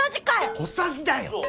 小さじだよ！